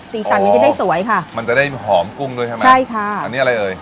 สีสันมันจะได้สวยค่ะมันจะได้หอมกุ้งด้วยใช่ไหมใช่ค่ะอันนี้อะไรเอ่ย